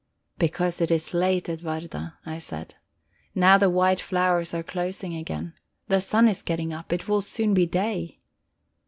"Because it is late, Edwarda," I said. "Now the white flowers are closing again. The sun is getting up; it will soon be day."